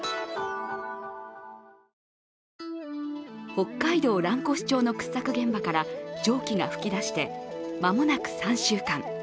北海道蘭越町の掘削現場から蒸気が噴き出して間もなく３週間。